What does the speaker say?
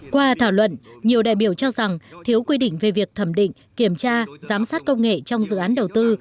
qua thảo luận nhiều đại biểu cho rằng thiếu quy định về việc thẩm định kiểm tra giám sát công nghệ trong dự án đầu tư